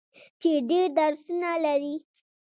چې ډیر درسونه لري.